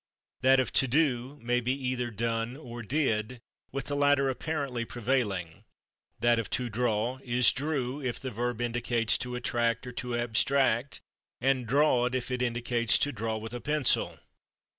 That of /to do/ may be either /done/ or /did/, with the latter apparently prevailing; that of /to draw/ is /drew/ if the verb indicates to attract or to abstract and /drawed/ if it indicates to draw with a pencil.